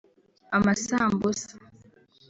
amasambusa